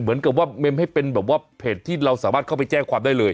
เหมือนกับว่าเมมให้เป็นแบบว่าเพจที่เราสามารถเข้าไปแจ้งความได้เลย